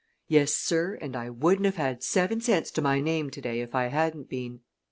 Yes, sir, and I wouldn't have had seven cents to my name to day if I hadn't been.